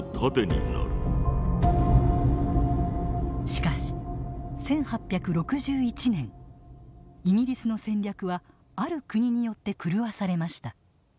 しかし１８６１年イギリスの戦略はある国によって狂わされました。